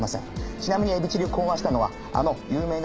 ちなみにエビチリを考案したのはあの有名な。